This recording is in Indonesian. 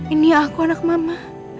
ini aku anak mama